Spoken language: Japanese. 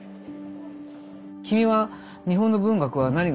「君は日本の文学は何が好きか？